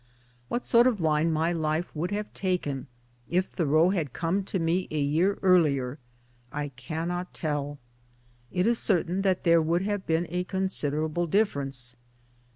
What sort of line my life would have taken if Thoreau had come to me a year earlier, I cannot tell. It is certain that there would have been a consider able difference.